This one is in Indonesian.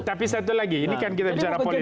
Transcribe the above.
tapi satu lagi ini kan kita bicara politik